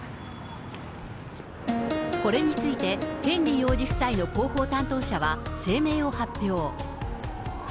これについて、ヘンリー王子夫妻の広報担当者は声明を発表。